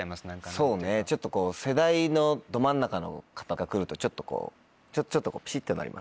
そうねちょっと世代のど真ん中の方が来るとちょっとこうちょっとピシっとなります。